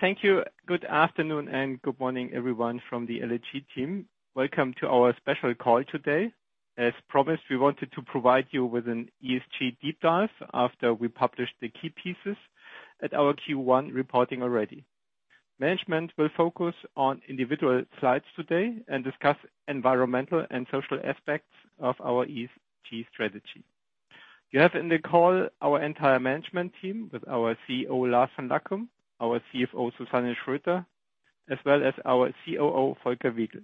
Thank you. Good afternoon and good morning, everyone from the LEG team. Welcome to our special call today. As promised, we wanted to provide you with an ESG deep dive after we published the key pieces at our Q1 reporting already. Management will focus on individual slides today and discuss environmental and social aspects of our ESG strategy. We have in the call our entire management team with our CEO, Lars von Lackum, our CFO, Susanne Schröter, as well as our COO, Volker Wiegel.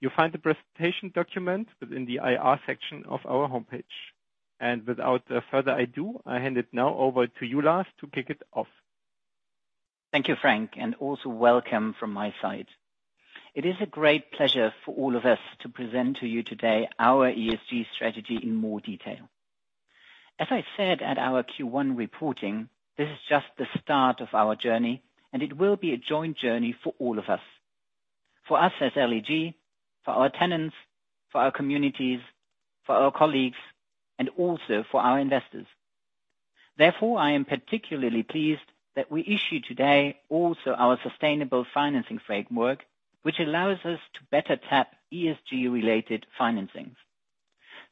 You'll find the presentation document within the IR section of our homepage. Without further ado, I hand it now over to you, Lars, to kick it off. Thank you, Frank, and also welcome from my side. It is a great pleasure for all of us to present to you today our ESG strategy in more detail. As I said at our Q1 reporting, this is just the start of our journey. It will be a joint journey for all of us, for us as LEG, for our tenants, for our communities, for our colleagues, and also for our investors. Therefore, I am particularly pleased that we issue today also our Sustainable Financing Framework, which allows us to better tap ESG-related financings.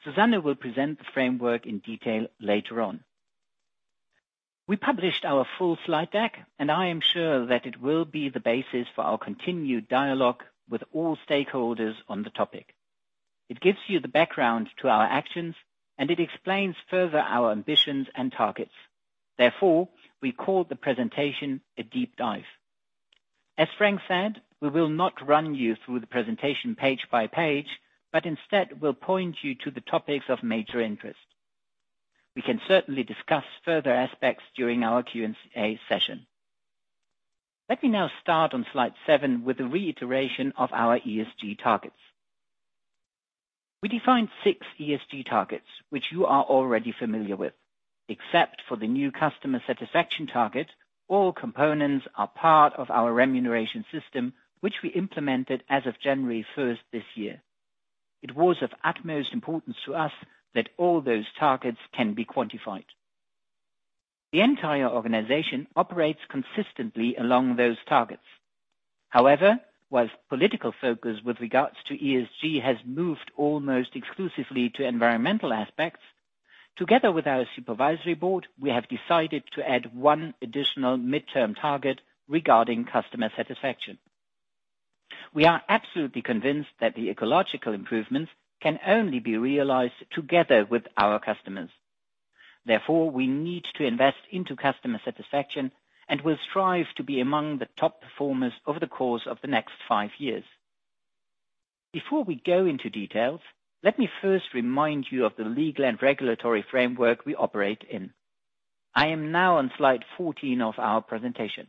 Susanne will present the framework in detail later on. We published our full slide deck. I am sure that it will be the basis for our continued dialogue with all stakeholders on the topic. It gives you the background to our actions. It explains further our ambitions and targets. Therefore, we call the presentation a deep dive. As Frank said, we will not run you through the presentation page by page, but instead we'll point you to the topics of major interest. We can certainly discuss further aspects during our Q&A session. Let me now start on slide seven with a reiteration of our ESG targets. We defined six ESG targets, which you are already familiar with. Except for the new customer satisfaction target, all components are part of our remuneration system, which we implemented as of January 1st this year. It was of utmost importance to us that all those targets could be quantified. The entire organization operates consistently along those targets. However, whilst political focus with regards to ESG has moved almost exclusively to environmental aspects, together with our supervisory board, we have decided to add one additional midterm target regarding customer satisfaction. We are absolutely convinced that the ecological improvements can only be realized together with our customers. Therefore, we need to invest in customer satisfaction and will strive to be among the top performers over the course of the next five years. Before we go into details, let me first remind you of the legal and regulatory framework we operate in. I am now on slide 14 of our presentation.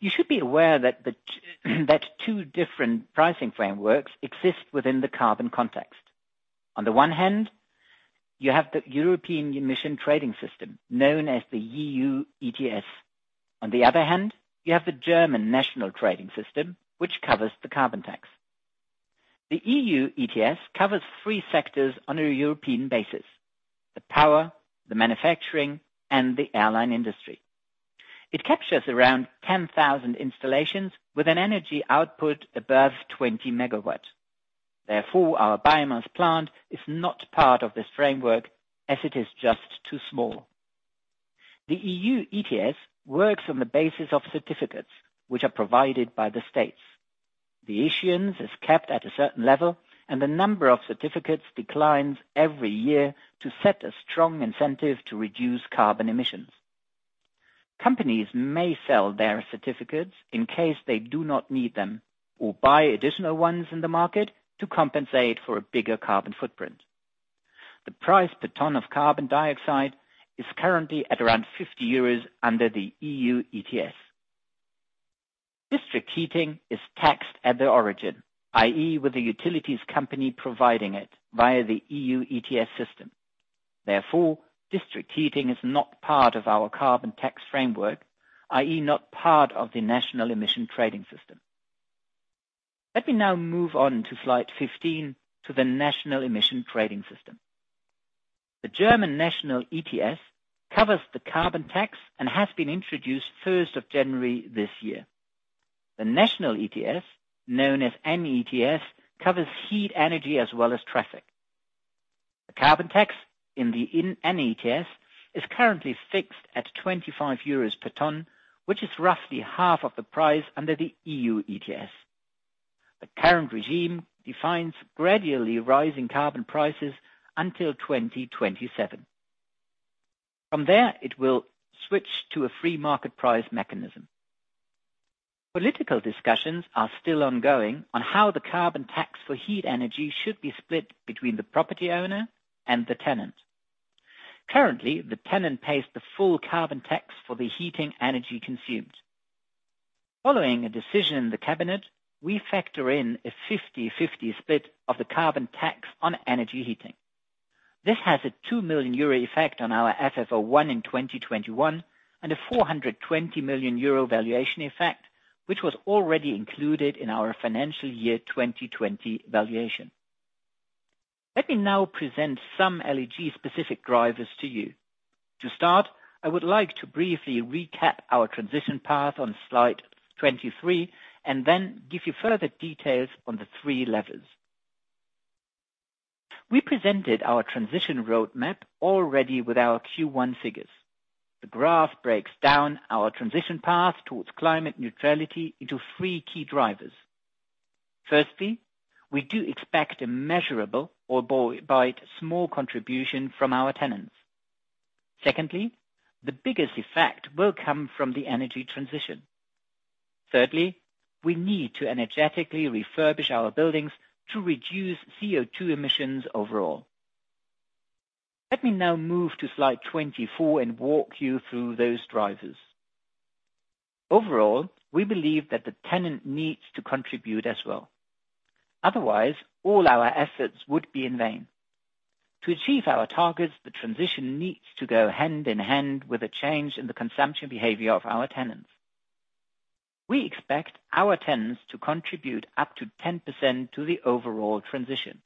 You should be aware that two different pricing frameworks exist within the carbon context. On the one hand, you have the European Union Emissions Trading System, known as the EU ETS. On the other hand, you have the German National Emissions Trading System, which covers the carbon tax. The EU ETS covers three sectors on a European basis: the power, the manufacturing, and the airline industry. It captures around 10,000 installations with an energy output above 20 MW. Therefore, our biomass plant is not part of this framework as it is just too small. The EU ETS works on the basis of certificates, which are provided by the states. The issuance is kept at a certain level, and the number of certificates declines every year to set a strong incentive to reduce carbon emissions. Companies may sell their certificates in case they do not need them or buy additional ones in the market to compensate for a bigger carbon footprint. The price per ton of carbon dioxide is currently at around 50 euros under the EU ETS. District heating is taxed at the origin, i.e., with the utilities company providing it via the EU ETS system. Therefore, district heating is not part of our carbon tax framework, i.e., not part of the National Emission Trading System. Let me now move on to slide 15, the German National Emissions Trading System. The German national ETS covers the carbon tax and was introduced January 1st of this year. The national ETS, known as NETS, covers heat energy as well as traffic. The carbon tax in the NETS is currently fixed at 25 euros per ton, which is roughly half of the price under the EU ETS. The current regime defines gradually rising carbon prices until 2027. From there, it will switch to a free market price mechanism. Political discussions are still ongoing on how the carbon tax for heat energy should be split between the property owner and the tenant. Currently, the tenant pays the full carbon tax for the heating energy consumed. Following a decision in the cabinet, we factor in a 50/50 split of the carbon tax on energy heating. This has a 2 million euro effect on our FFO I in 2021 and a 420 million euro valuation effect, which was already included in our financial year 2020 valuation. Let me now present some LEG-specific drivers to you. To start, I would like to briefly recap our transition path on slide 23, and then give you further details on the three levels. We presented our transition roadmap already with our Q1 figures. The graph breaks down our transition path towards climate neutrality into three key drivers. Firstly, we do expect a measurable, albeit small, contribution from our tenants. Secondly, the biggest effect will come from the energy transition. Thirdly, we need to energetically refurbish our buildings to reduce CO2 emissions overall. Let me now move to slide 24 and walk you through those drivers. Overall, we believe that the tenant needs to contribute as well. Otherwise, all our efforts would be in vain. To achieve our targets, the transition needs to go hand in hand with a change in the consumption behavior of our tenants. We expect our tenants to contribute up to 10% to the overall transition.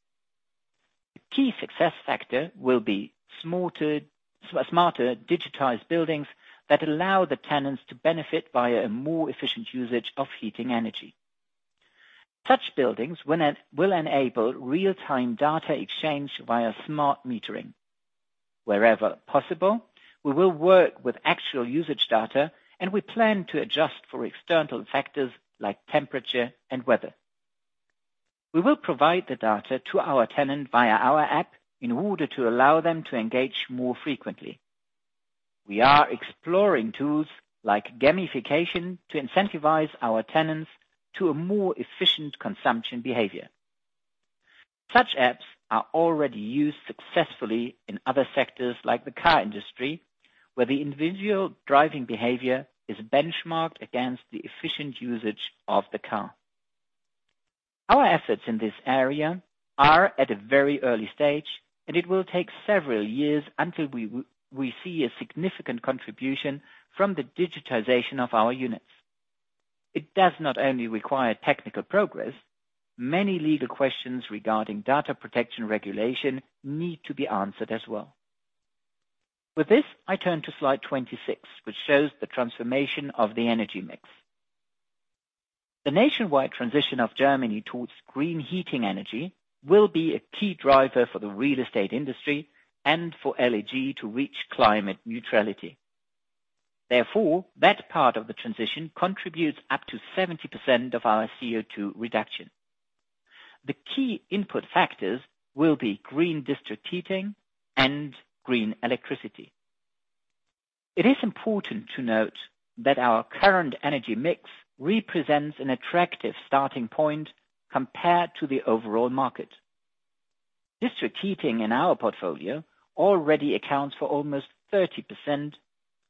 The key success factor will be smarter, digitized buildings that allow the tenants to benefit via a more efficient usage of heating energy. Such buildings will enable real-time data exchange via smart metering. Wherever possible, we will work with actual usage data, and we plan to adjust for external factors like temperature and weather. We will provide the data to our tenant via our app in order to allow them to engage more frequently. We are exploring tools like gamification to incentivize our tenants to a more efficient consumption behavior. Such apps are already used successfully in other sectors, like the car industry, where the individual's driving behavior is benchmarked against the efficient usage of the car. Our efforts in this area are at a very early stage, and it will take several years until we see a significant contribution from the digitization of our units. It does not only require technical progress, many legal questions regarding data protection regulation need to be answered as well. With this, I turn to slide 26, which shows the transformation of the energy mix. The nationwide transition of Germany towards green heating energy will be a key driver for the real estate industry and for LEG to reach climate neutrality. Therefore, that part of the transition contributes up to 70% of our CO2 reduction. The key input factors will be green district heating and green electricity. It is important to note that our current energy mix represents an attractive starting point compared to the overall market. District heating in our portfolio already accounts for almost 30%,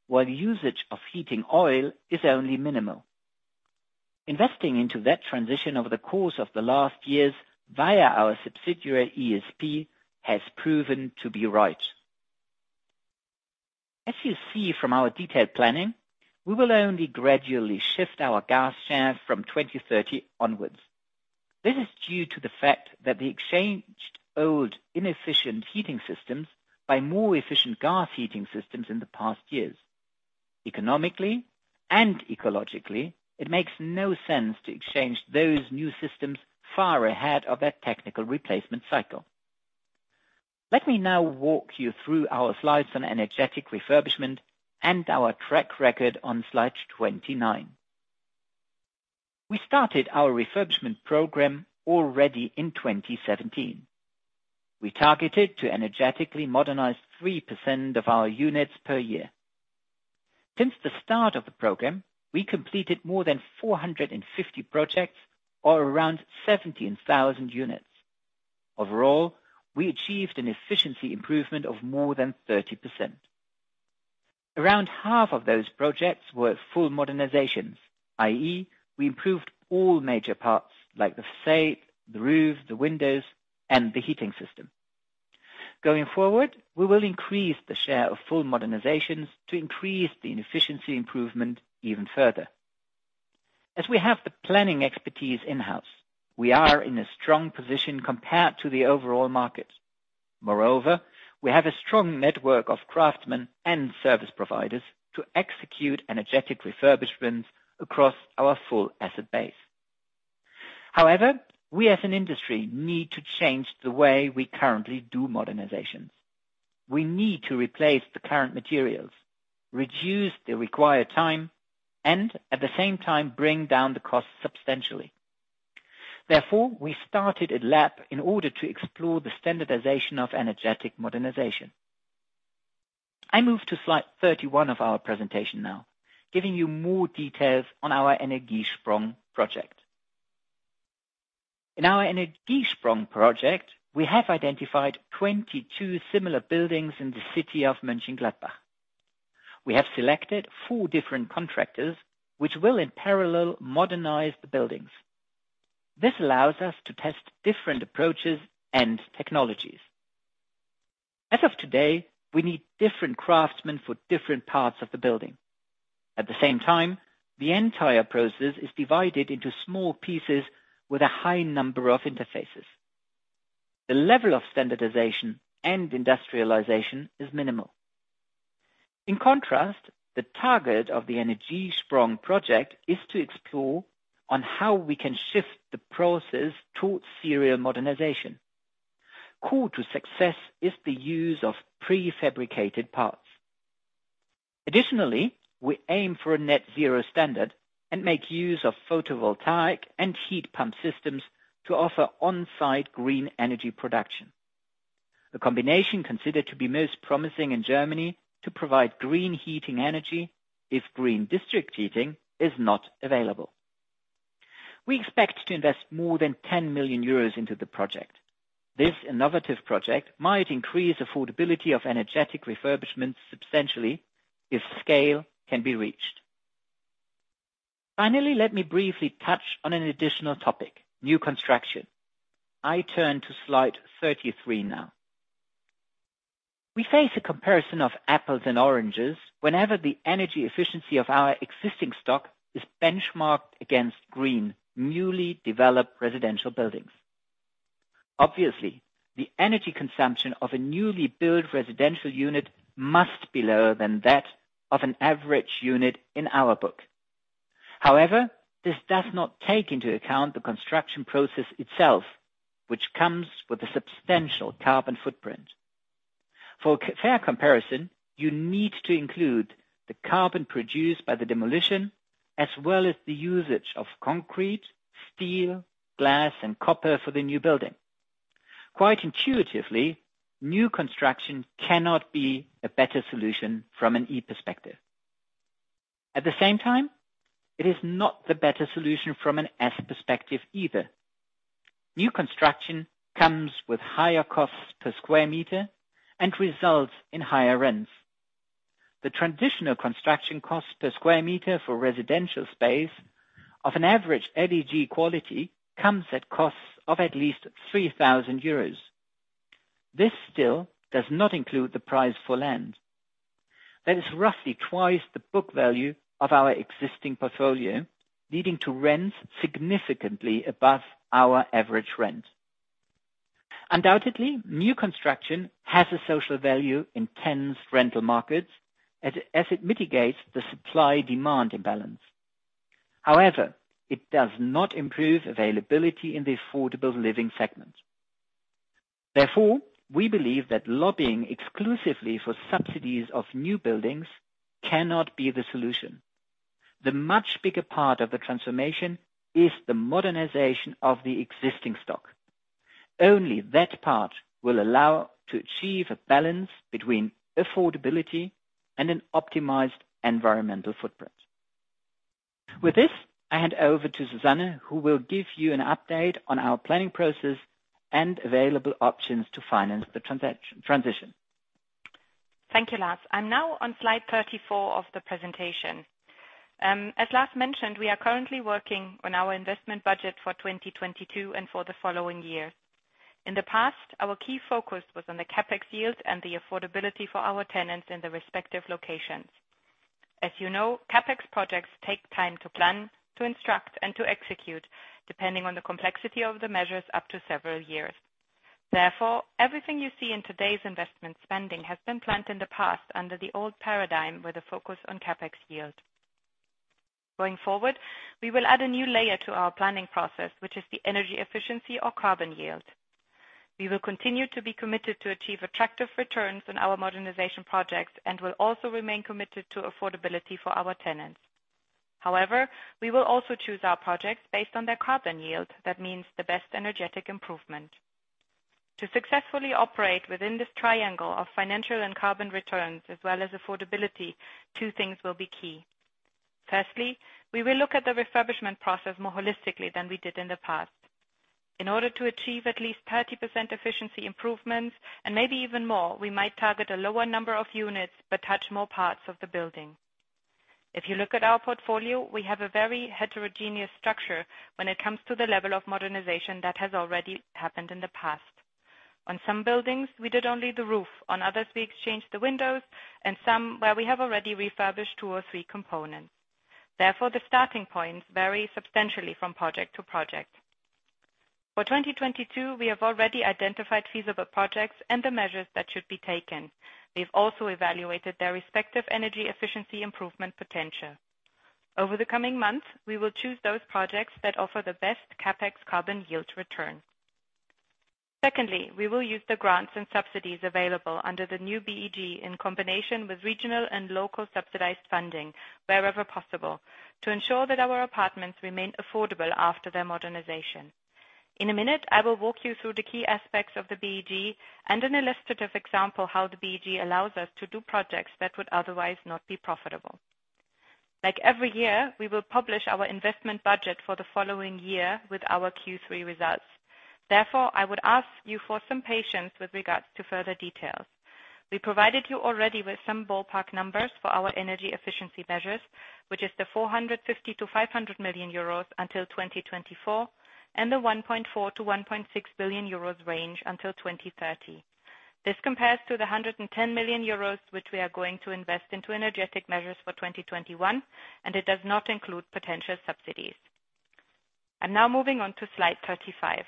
while usage of heating oil is only minimal. Investing into that transition over the course of the last years via our subsidiary, ESP, has proven to be right. As you see from our detailed planning, we will only gradually shift our gas share from 2030 onwards. This is due to the fact that we exchanged old, inefficient heating systems by more efficient gas heating systems in the past years. Economically and ecologically, it makes no sense to exchange those new systems far ahead of their technical replacement cycle. Let me now walk you through our slides on energetic refurbishment and our track record on slide 29. We started our refurbishment program already in 2017. We targeted to energetically modernize 3% of our units per year. Since the start of the program, we completed more than 450 projects or around 17,000 units. Overall, we achieved an efficiency improvement of more than 30%. Around half of those projects were full modernizations, i.e. we improved all major parts like the facade, the roof, the windows, and the heating system. Going forward, we will increase the share of full modernizations to increase the efficiency improvement even further. As we have the planning expertise in-house, we are in a strong position compared to the overall market. Moreover, we have a strong network of craftsmen and service providers to execute energetic refurbishments across our full asset base. However, we as an industry need to change the way we currently do modernizations. We need to replace the current materials, reduce the required time, and at the same time bring down the cost substantially. We started a lab in order to explore the standardization of energetic modernization. I move to slide 31 of our presentation now, giving you more details on our Energiesprong project. In our Energiesprong project, we have identified 22 similar buildings in the city of Mönchengladbach. We have selected four different contractors, which will in parallel modernize the buildings. This allows us to test different approaches and technologies. As of today, we need different craftsmen for different parts of the building. At the same time, the entire process is divided into small pieces with a high number of interfaces. The level of standardization and industrialization is minimal. In contrast, the target of the Energiesprong project is to explore on how we can shift the process towards serial modernization. Core to success is the use of prefabricated parts. Additionally, we aim for a net zero standard and make use of photovoltaic and heat pump systems to offer on-site green energy production, the combination considered to be most promising in Germany to provide green heating energy if green district heating is not available. We expect to invest more than 10 million euros into the project. This innovative project might increase affordability of energetic refurbishments substantially if scale can be reached. Finally, let me briefly touch on an additional topic: new construction. I turn to slide 33 now. We face a comparison of apples and oranges whenever the energy efficiency of our existing stock is benchmarked against green, newly developed residential buildings. Obviously, the energy consumption of a newly built residential unit must be lower than that of an average unit in our book. This does not take into account the construction process itself, which comes with a substantial carbon footprint. For a fair comparison, you need to include the carbon produced by the demolition, as well as the usage of concrete, steel, glass, and copper for the new building. Quite intuitively, new construction cannot be the better solution from an E perspective. At the same time, it is not the better solution from an S perspective either. New construction comes with higher costs per square meter and results in higher rents. The traditional construction cost per square meter for residential space of an average LEG quality comes at costs of at least 3,000 euros. This still does not include the price for land. That is roughly twice the book value of our existing portfolio, leading to rents significantly above our average rent. Undoubtedly, new construction has a social value in tense rental markets, as it mitigates the supply-demand imbalance. However, it does not improve availability in the affordable living segment. Therefore, we believe that lobbying exclusively for subsidies for new buildings cannot be the solution. The much bigger part of the transformation is the modernization of the existing stock. Only that part will allow to achieve a balance between affordability and an optimized environmental footprint. With this, I hand over to Susanne, who will give you an update on our planning process and available options to finance the transition. Thank you, Lars. I'm now on slide 34 of the presentation. As Lars mentioned, we are currently working on our investment budget for 2022 and for the following year. In the past, our key focus was on the CapEx yield and the affordability for our tenants in the respective locations. As you know, CapEx projects take time to plan, to instruct, and to execute, depending on the complexity of the measures, up to several years. Therefore, everything you see in today's investment spending has been planned in the past under the old paradigm with a focus on CapEx yield. Going forward, we will add a new layer to our planning process, which is the energy efficiency or carbon yield. We will continue to be committed to achieve attractive returns on our modernization projects and will also remain committed to affordability for our tenants. However, we will also choose our projects based on their carbon yield. That means the best energetic improvement. To successfully operate within this triangle of financial and carbon returns as well as affordability, two things will be key. Firstly, we will look at the refurbishment process more holistically than we did in the past. In order to achieve at least 30% efficiency improvements, and maybe even more, we might target a lower number of units but touch more parts of the building. If you look at our portfolio, we have a very heterogeneous structure when it comes to the level of modernization that has already happened in the past. On some buildings, we did only the roof, on others, we exchanged the windows, and some, we have already refurbished two or three components. Therefore, the starting points vary substantially from project to project. For 2022, we have already identified feasible projects and the measures that should be taken. We've also evaluated their respective energy efficiency improvement potential. Over the coming months, we will choose those projects that offer the best CapEx carbon yield return. Secondly, we will use the grants and subsidies available under the new BEG in combination with regional and local subsidized funding wherever possible to ensure that our apartments remain affordable after their modernization. In a minute, I will walk you through the key aspects of the BEG and an illustrative example how the BEG allows us to do projects that would otherwise not be profitable. Like every year, we will publish our investment budget for the following year with our Q3 results. Therefore, I would ask you for some patience with regard to further details. We provided you already with some ballpark numbers for our energy efficiency measures, which is the 450 million-500 million euros until 2024 and the 1.4 billion-1.6 billion euros range until 2030. This compares to the 110 million euros which we are going to invest into energetic measures for 2021. It does not include potential subsidies. Now moving on to slide 35.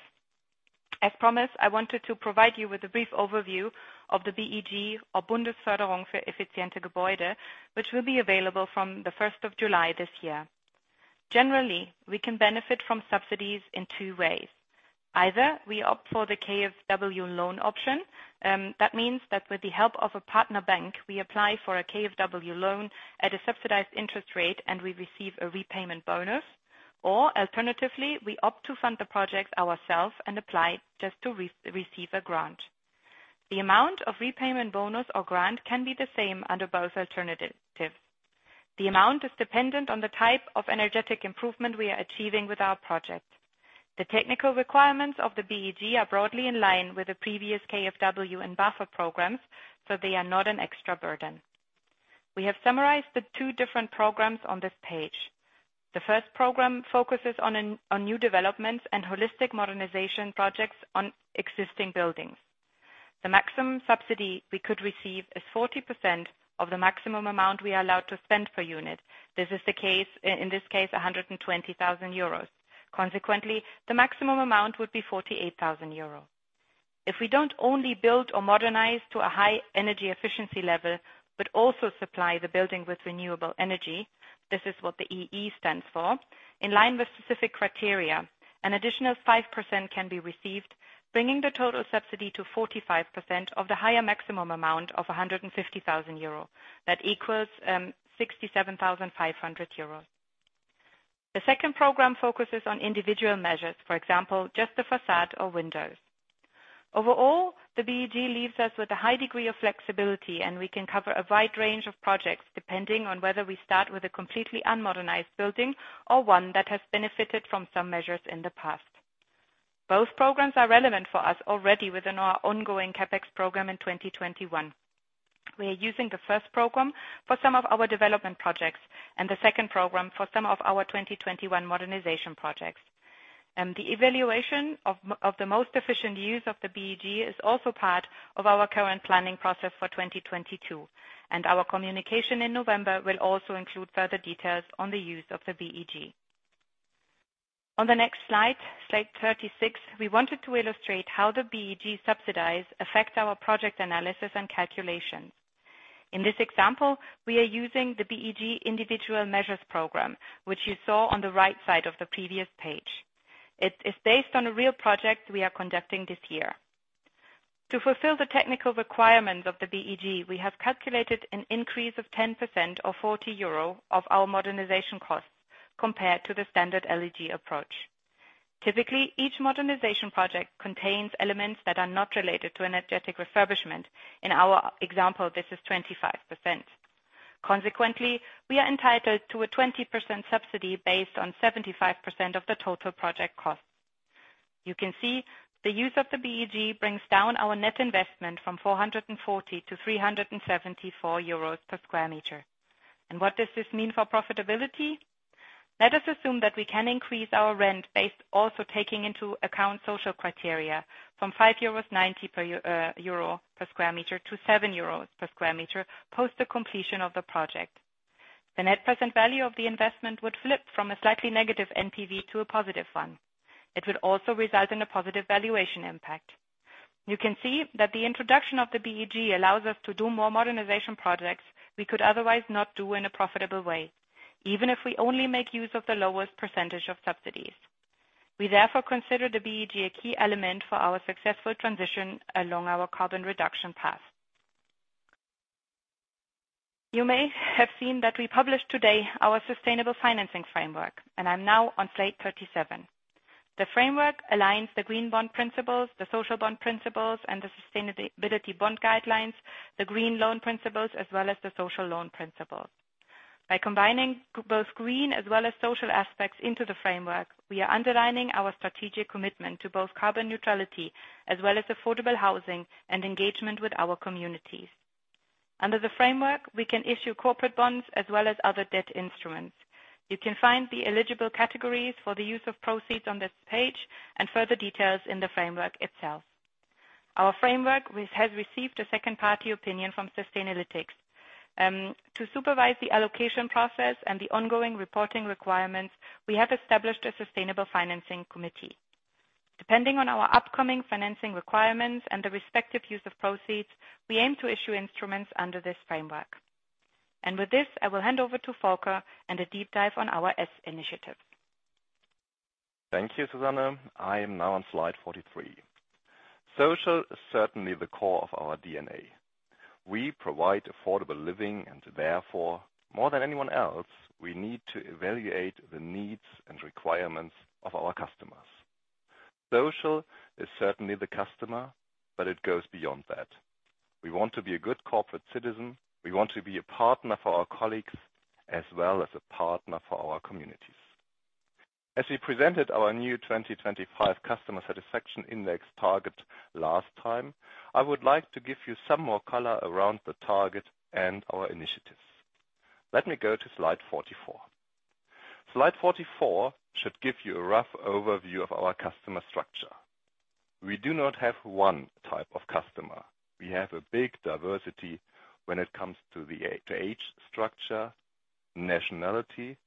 As promised, I wanted to provide you with a brief overview of the BEG or Bundesförderung für effiziente Gebäude, which will be available from July 1st of this year. Generally, we can benefit from subsidies in two ways. Either we opt for the KfW loan option, that means that with the help of a partner bank, we apply for a KfW loan at a subsidized interest rate, and we receive a repayment bonus. Alternatively, we opt to fund the project ourselves and apply just to receive a grant. The amount of repayment bonus or grant can be the same under both alternatives. The amount is dependent on the type of energetic improvement we are achieving with our project. The technical requirements of the BEG are broadly in line with the previous KfW and BAFA programs, so they are not an extra burden. We have summarized the two different programs on this page. The first program focuses on new developments and holistic modernization projects on existing buildings. The maximum subsidy we could receive is 40% of the maximum amount we are allowed to spend per unit. This is in this case 120,000 euros. Consequently, the maximum amount would be 48,000 euros. If we don't only build or modernize to a high energy efficiency level, but also supply the building with renewable energy, this is what the EE stands for, in line with specific criteria, an additional 5% can be received, bringing the total subsidy to 45% of the higher maximum amount of 150,000 euro. That equals 67,500 euros. The second program focuses on individual measures, for example, just the facade or windows. Overall, the BEG leaves us with a high degree of flexibility, and we can cover a wide range of projects depending on whether we start with a completely unmodernized building or one that has benefited from some measures in the past. Both programs are relevant for us already within our ongoing CapEx program in 2021. We are using the first program for some of our development projects and the second program for some of our 2021 modernization projects. The evaluation of the most efficient use of the BEG is also part of our current planning process for 2022. Our communication in November will also include further details on the use of the BEG. On the next slide 36, we wanted to illustrate how the BEG subsidized affects our project analysis and calculations. In this example, we are using the BEG Individual Measures Program, which you saw on the right side of the previous page. It is based on a real project we are conducting this year. To fulfill the technical requirements of the BEG, we have calculated an increase of 10% or 40 euro in our modernization costs compared to the standard LEG approach. Typically, each modernization project contains elements that are not related to energetic refurbishment. In our example, this is 25%. Consequently, we are entitled to a 20% subsidy based on 75% of the total project cost. You can see the use of the BEG brings down our net investment from 440-374 euros per sq m. What does this mean for profitability? Let us assume that we can increase our rent base, also taking into account social criteria, from 5.90 euros per sq m to 7 euros per sq m post the completion of the project. The net present value of the investment would flip from a slightly negative NPV to a positive one. It would also result in a positive valuation impact. You can see that the introduction of the BEG allows us to do more modernization projects we could otherwise not do in a profitable way, even if we only make use of the lowest percentage of subsidies. We therefore consider the BEG a key element for our successful transition along our carbon reduction path. You may have seen that we published today our Sustainable Financing Framework, and I'm now on slide 37. The framework aligns the Green Bond Principles, the Social Bond Principles, and the Sustainability Bond Guidelines, the Green Loan Principles, as well as the Social Loan Principles. By combining both green as well as social aspects into the framework, we are underlining our strategic commitment to both carbon neutrality as well as affordable housing and engagement with our communities. Under the framework, we can issue corporate bonds as well as other debt instruments. You can find the eligible categories for the use of proceeds on this page and further details in the framework itself. Our framework has received a Second-Party Opinion from Sustainalytics. To supervise the allocation process and the ongoing reporting requirements, we have established a sustainable financing committee. Depending on our upcoming financing requirements and the respective use of proceeds, we aim to issue instruments under this framework. With this, I will hand over to Volker for a deep dive on our S initiatives. Thank you, Susanne. I am now on slide 43. Social is certainly the core of our DNA. We provide affordable living and, therefore, more than anyone else, we need to evaluate the needs and requirements of our customers. Social is certainly the customer, but it goes beyond that. We want to be a good corporate citizen. We want to be a partner for our colleagues as well as a partner for our communities. As we presented our new 2025 Customer Satisfaction Index target last time, I would like to give you some more color around the target and our initiatives. Let me go to slide 44. Slide 44 should give you a rough overview of our customer structure. We do not have one type of customer. We have a big diversity when it comes to the age structure and nationality.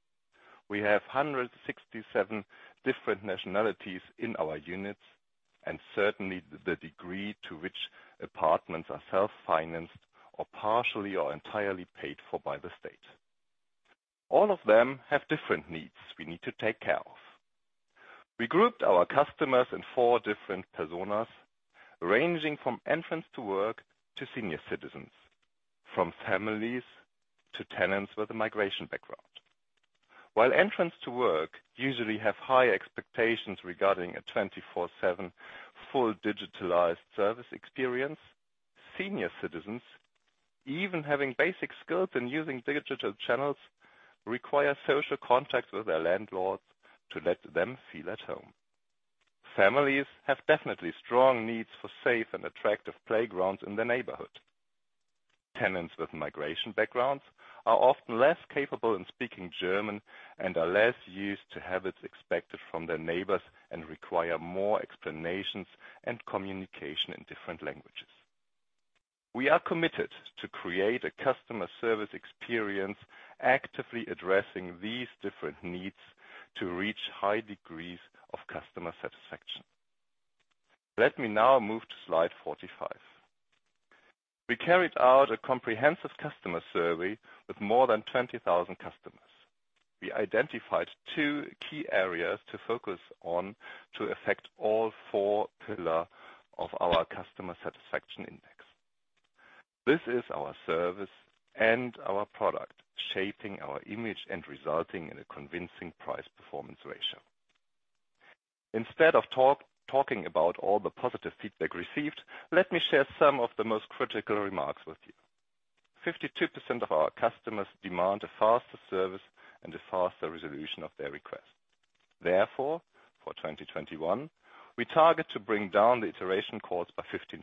We have 167 different nationalities in our units, and certainly the degree to which apartments are self-financed or partially or entirely paid for by the state. All of them have different needs we need to take care of. We grouped our customers in four different personas, ranging from entrants to work to senior citizens, from families to tenants with a migration background. While entrants to work usually have high expectations regarding a 24/7 full digitalized service experience, senior citizens, even having basic skills in using digital channels, require social contact with their landlords to let them feel at home. Families have definitely strong needs for safe and attractive playgrounds in the neighborhood. Tenants with migration backgrounds are often less capable in speaking German and are less used to habits expected from their neighbors, and require more explanations and communication in different languages. We are committed to create a customer service experience actively addressing these different needs to reach high degrees of customer satisfaction. Let me now move to slide 45. We carried out a comprehensive customer survey with more than 20,000 customers. We identified two key areas to focus on to affect all four pillars of our Customer Satisfaction Index. This is our service and our product, shaping our image and resulting in a convincing price-performance ratio. Instead of talking about all the positive feedback received, let me share some of the most critical remarks with you. 52% of our customers demand a faster service and a faster resolution of their request. Therefor 2021, we target to bring down the iteration calls by 15%.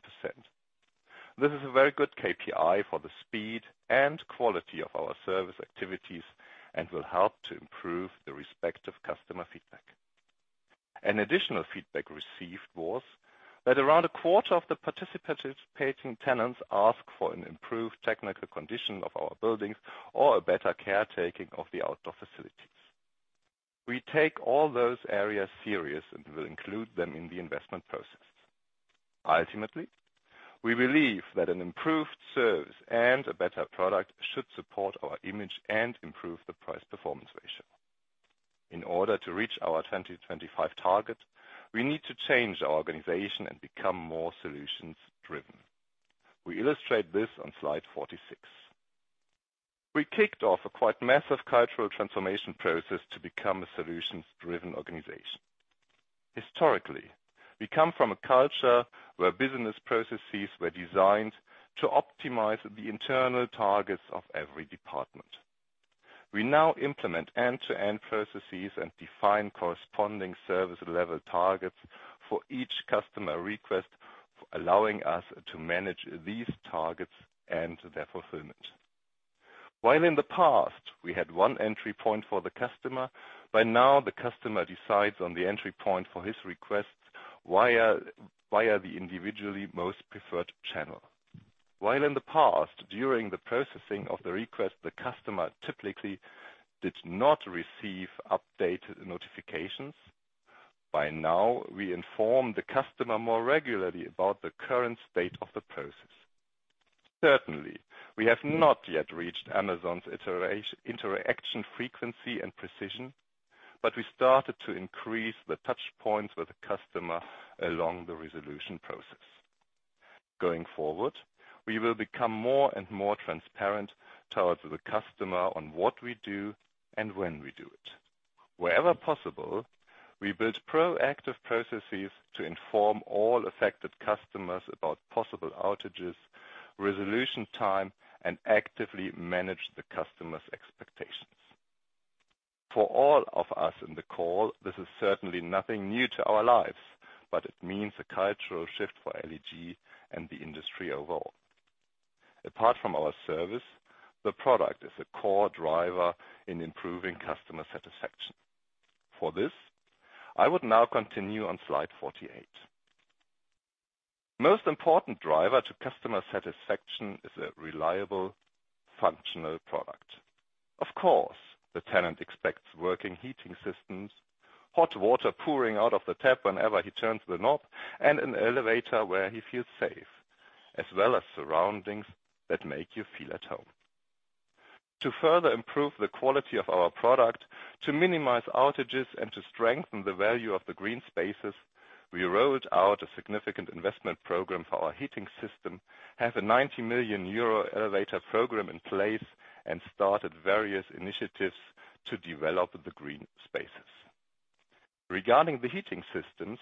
This is a very good KPI for the speed and quality of our service activities and will help to improve the respective customer feedback. An additional feedback received was that around a quarter of the participating tenants asked for an improved technical condition of our buildings or a better caretaking of the outdoor facilities. We take all those areas serious and will include them in the investment process. Ultimately, we believe that an improved service and a better product should support our image and improve the price-performance ratio. In order to reach our 2025 target, we need to change our organization and become more solutions-driven. We illustrate this on slide 46. We kicked off a quite massive cultural transformation process to become a solutions-driven organization. Historically, we come from a culture where business processes were designed to optimize the internal targets of every department. We now implement end-to-end processes and define corresponding service level targets for each customer request, allowing us to manage these targets and their fulfillment. While in the past, we had one entry point for the customer, by now the customer decides on the entry point for his request via the individually most preferred channel. While in the past, during the processing of the request, the customer typically did not receive updated notifications, by now we inform the customer more regularly about the current state of the process. Certainly, we have not yet reached Amazon's interaction frequency and precision, but we started to increase the touchpoints with the customer along the resolution process. Going forward, we will become more and more transparent towards the customer on what we do and when we do it. Wherever possible, we build proactive processes to inform all affected customers about possible outages, resolution time, and actively manage the customers' expectations. For all of us on the call, this is certainly nothing new to our lives, but it means a cultural shift for LEG and the industry overall. Apart from our service, the product is a core driver in improving customer satisfaction. For this, I would now continue on slide 48. Most important driver to customer satisfaction is a reliable, functional product. Of course, the tenant expects working heating systems, hot water pouring out of the tap whenever he turns the knob, and an elevator where he feels safe, as well as surroundings that make you feel at home. To further improve the quality of our product, to minimize outages, and to strengthen the value of the green spaces, we rolled out a significant investment program for our heating system, have a 90 million euro elevator program in place, and started various initiatives to develop the green spaces. Regarding the heating systems,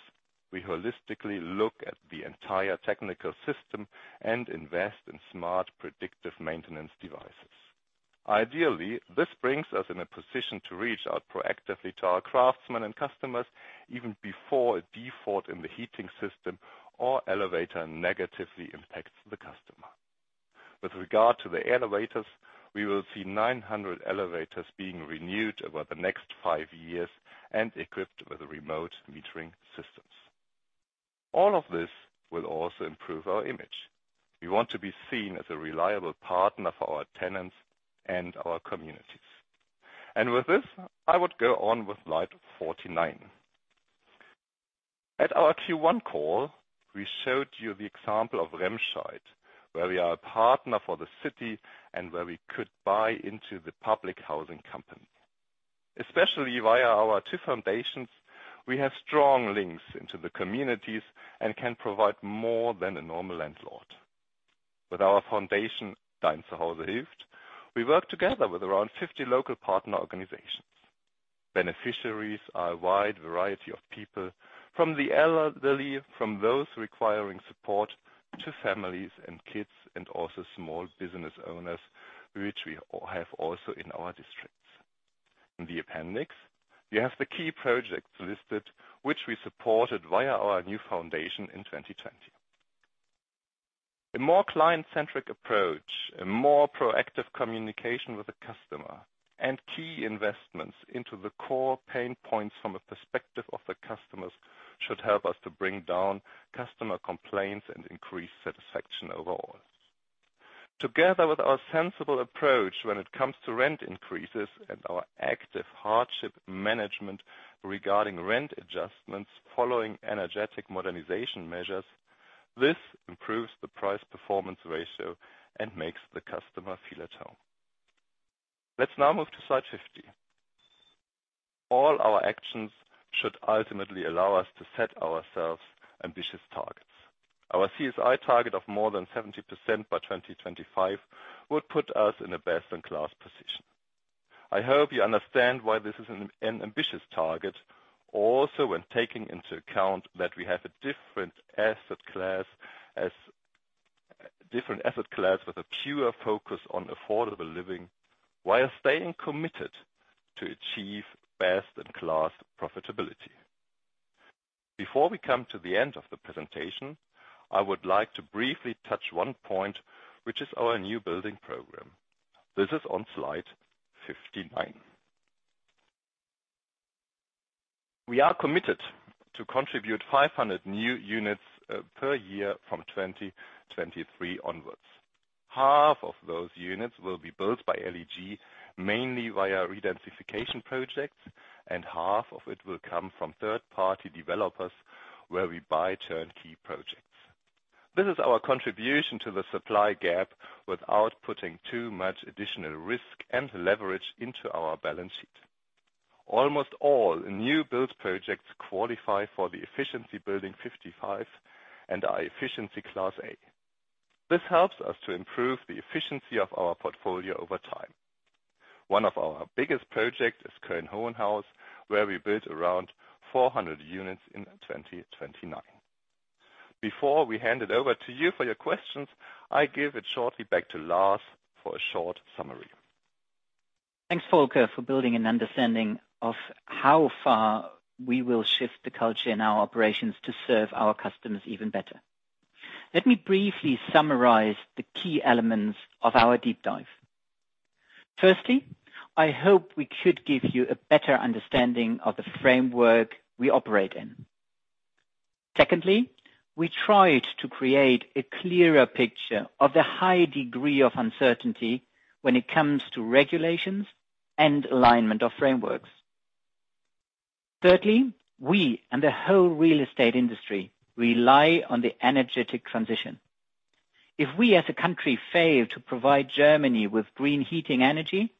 we holistically look at the entire technical system and invest in smart predictive maintenance devices. Ideally, this brings us in a position to reach out proactively to our craftsmen and customers even before a default in the heating system or elevator negatively impacts the customer. With regard to the elevators, we will see 900 elevators being renewed over the next five years and equipped with remote monitoring systems. All of this will also improve our image. We want to be seen as a reliable partner for our tenants and our communities. With this, I would go on to slide 49. At our Q1 call, we showed you the example of Remscheid, where we are a partner for the city and where we could buy into the public housing company. Especially via our two foundations, we have strong links into the communities and can provide more than a normal landlord. With our foundation, Dein Zuhause hilft, we work together with around 50 local partner organizations. Beneficiaries are a wide variety of people, from the elderly, from those requiring support, to families and kids, and also small business owners, which we have also in our districts. In the appendix, we have the key projects listed, which we supported via our new foundation in 2020. A more client-centric approach, a more proactive communication with the customer, and key investments into the core pain points from the perspective of the customers should help us to bring down customer complaints and increase satisfaction overall. Together with our sensible approach when it comes to rent increases and our active hardship management regarding rent adjustments following energetic modernization measures, this improves the price-performance ratio and makes the customer feel at home. Let's now move to slide 50. All our actions should ultimately allow us to set ourselves ambitious targets. Our CSI target of more than 70% by 2025 would put us in a best-in-class position. I hope you understand why this is an ambitious target, also when taking into account that we have a different asset class with a pure focus on affordable living, while staying committed to achieve best-in-class profitability. Before we come to the end of the presentation, I would like to briefly touch one point, which is our new building program. This is on slide 59. We are committed to contribute 500 new units per year from 2023 onwards. Half of those units will be built by LEG, mainly via redensification projects, and half of it will come from third-party developers, where we buy turnkey projects. This is our contribution to the supply gap without putting too much additional risk and leverage into our balance sheet. Almost all new build projects qualify for the Effizienzhaus 55 and are efficiency class A. This helps us to improve the efficiency of our portfolio over time. One of our biggest projects is Köln-Höhenhaus, where we built around 400 units in 2029. Before we hand it over to you for your questions, I give it shortly back to Lars for a short summary. Thanks, Volker, for building an understanding of how far we will shift the culture in our operations to serve our customers even better. Let me briefly summarize the key elements of our deep dive. I hope we could give you a better understanding of the framework we operate in. We tried to create a clearer picture of the high degree of uncertainty when it comes to regulations and alignment of frameworks. We and the whole real estate industry rely on the energetic transition. If we as a country fail to provide Germany with green heating energy,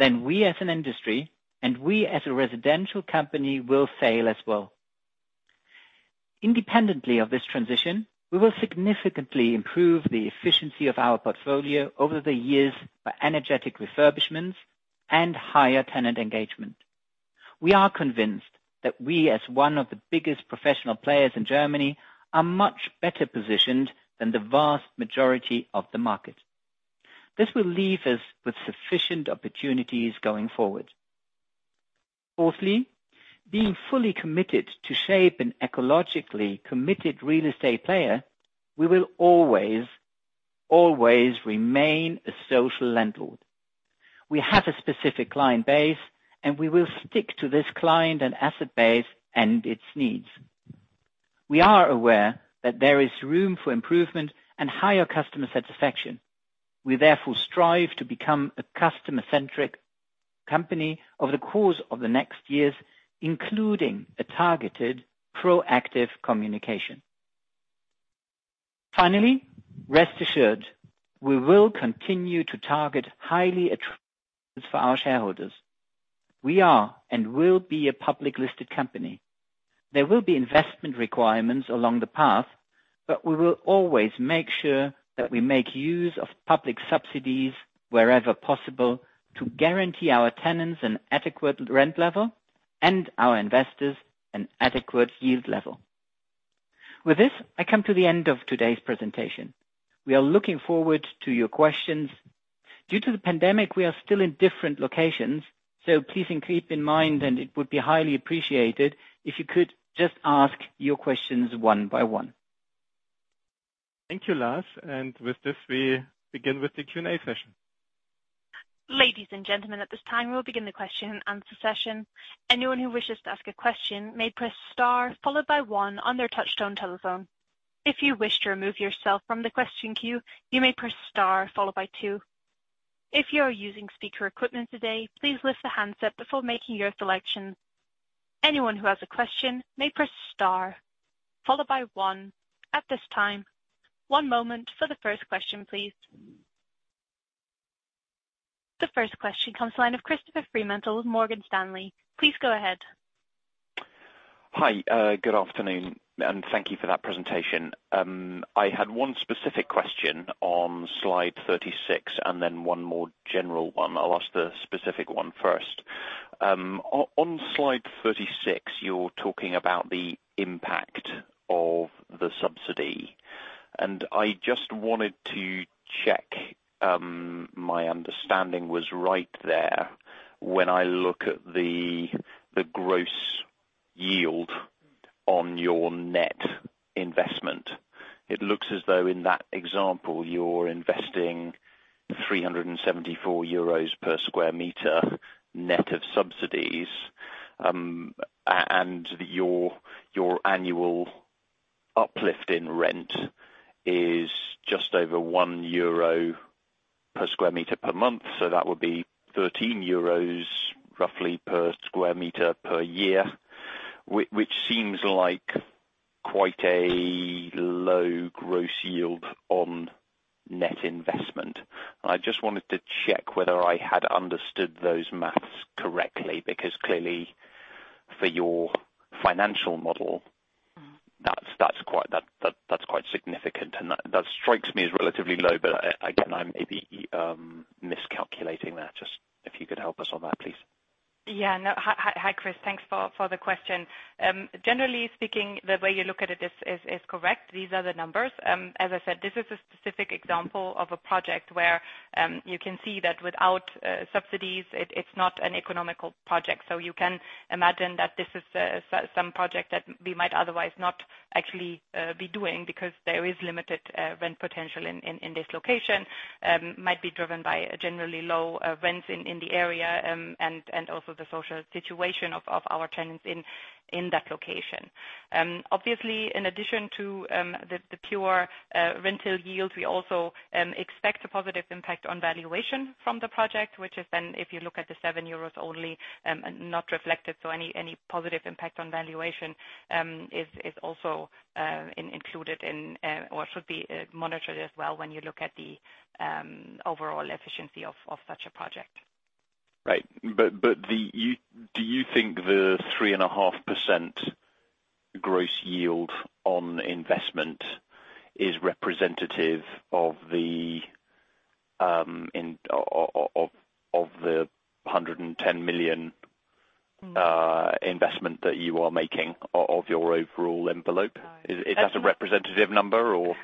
we as an industry and we as a residential company will fail as well. Independently of this transition, we will significantly improve the efficiency of our portfolio over the years by energetic refurbishments and higher tenant engagement. We are convinced that we, as one of the biggest professional players in Germany, are much better positioned than the vast majority of the market. This will leave us with sufficient opportunities going forward. Fourthly, being fully committed to shape an ecologically committed real estate player, we will always remain a social landlord. We have a specific client base, and we will stick to this client and asset base and its needs. We are aware that there is room for improvement and higher customer satisfaction. We therefore strive to become a customer-centric company over the course of the next years, including a targeted, proactive communication. Finally, rest assured, we will continue to target high returns for our shareholders. We are and will be a public listed company. There will be investment requirements along the path, but we will always make sure that we make use of public subsidies wherever possible to guarantee our tenants an adequate rent level and our investors an adequate yield level. With this, I come to the end of today's presentation. We are looking forward to your questions. Due to the pandemic, we are still in different locations, so please keep in mind and it would be highly appreciated if you could just ask your questions one by one. Thank you, Lars. With this, we begin with the Q&A session. Ladies and gentlemen, at this time, we'll begin the question-and-answer session. Anyone who wishes to ask a question may press star followed by one on their touchtone telephone. If you wish to remove yourself from the question queue, you may press star followed by two. If you are using speaker equipment today, please lift the handset before making your selection. Anyone who has a question may press star followed by one at this time. One moment for the first question, please. The first question comes the line of Christopher Fremantle with Morgan Stanley. Please go ahead. Hi. Good afternoon, and thank you for that presentation. I had one specific question on slide 36 and then one more general one. I'll ask the specific one first. On slide 36, you're talking about the impact of the subsidy. I just wanted to check my understanding was right there. When I look at the gross yield on your net investment, it looks as though in that example, you're investing 374 euros per sq m net of subsidies. Your annual uplift in rent is just over 1 euro per sq m per month. That would be 13 euros roughly per sq m per year, which seems like quite a low gross yield on net investment. I just wanted to check whether I had understood those maths correctly, because clearly, for your financial model that's quite significant. That strikes me as relatively low, but again, I may be miscalculating that. Just if you could help us on that, please. Hi, Chris. Thanks for the question. Generally speaking, the way you look at it is correct. These are the numbers. As I said, this is a specific example of a project where you can see that without subsidies, it's not an economical project. You can imagine that this is some project that we might otherwise not actually be doing because there is limited rent potential in this location, might be driven by a generally low renting in the area, and also the social situation of our tenants in that location. Obviously, in addition to the pure rental yields, we also expect a positive impact on valuation from the project, which is then if you look at the 7 euros only not reflected. Any positive impact on valuation is also included in or should be monitored as well when you look at the overall efficiency of such a project. Right. Do you think the 3.5% gross yield on investment is representative of the 110 million investment that you are making of your overall envelope? Is that a representative number or?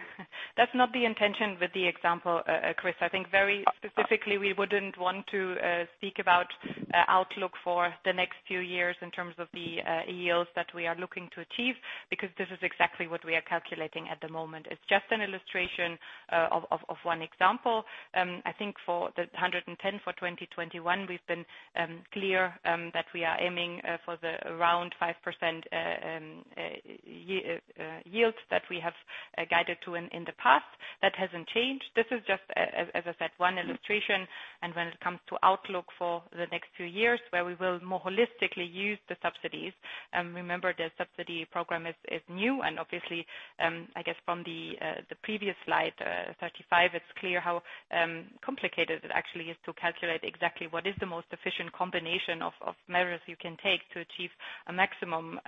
That's not the intention with the example, Christopher. I think very specifically we wouldn't want to speak about outlook for the next few years in terms of the yields that we are looking to achieve, because this is exactly what we are calculating at the moment. It's just an illustration of one example. I think for the 110 for 2021, we've been clear that we are aiming for the around 5% yields that we have guided to in the past. That hasn't changed. This is just as I said, one illustration. When it comes to outlook for the next few years, where we will more holistically use the subsidies, and remember the subsidy program is new, and obviously, I guess from the previous slide 35, it's clear how complicated it actually is to calculate exactly what is the most efficient combination of measures you can take to achieve a maximum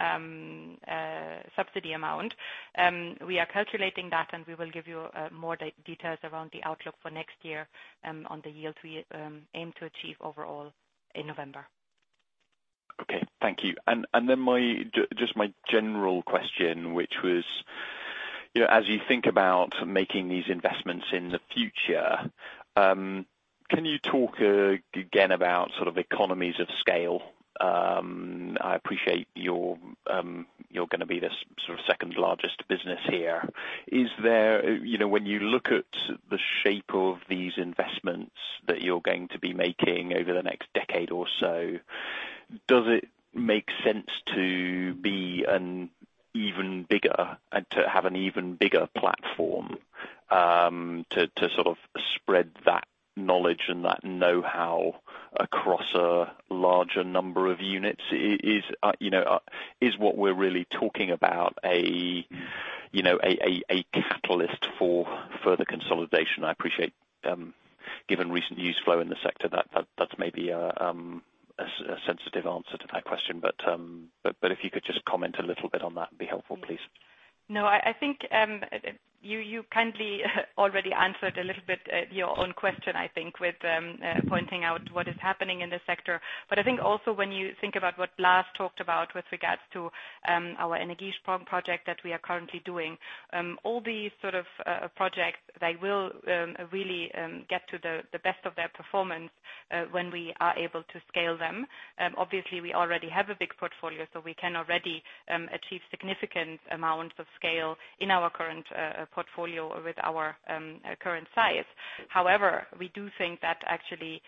subsidy amount. We are calculating that, and we will give you more details around the outlook for next year on the yields we aim to achieve overall in November. Okay. Thank you. Just my general question, which was, as you think about making these investments in the future, can you talk again about sort of economies of scale? I appreciate you're going to be the sort of second-largest business here. When you look at the shape of these investments that you're going to be making over the next decade or so, does it make sense to be an even bigger and to have an even bigger platform to sort of spread that knowledge and that know-how across a larger number of units? Is what we're really talking about a catalyst for further consolidation? I appreciate-Given recent news flow in the sector, that may be a sensitive answer to that question. If you could just comment a little bit on that, it'd be helpful, please. No, I think you kindly already answered a little bit your own question, I think with pointing out what is happening in the sector. I think also when you think about what Lars talked about with regards to our Energiesprong project that we are currently doing. All these sort of projects, they will really get to the best of their performance when we are able to scale them. Obviously, we already have a big portfolio, so we can already achieve significant amounts of scale in our current portfolio with our current size. However, we do think that actually,